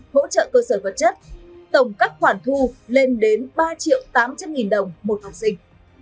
hỗ trợ cơ sở vật chất tổng các khoản thu lên đến ba triệu tám trăm linh nghìn đồng một học sinh